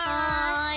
はい。